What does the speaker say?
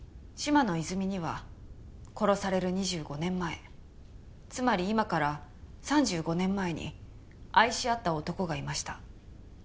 嶋野泉水には殺される２５年前つまり今から３５年前に愛し合った男がいました。